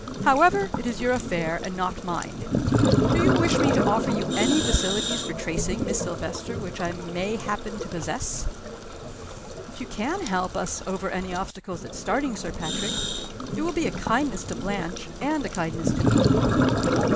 However, it is your affair, and not mine. Do you wish me to offer you any facilities for tracing Miss Silvester which I may happen to possess?" "If you can help us over any obstacles at starting, Sir Patrick, it will be a kindness to Blanche, and a kindness to me."